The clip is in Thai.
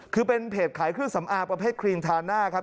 คือเป็นเพจขายเครื่องสำอางประเภทครีมทาน่าครับ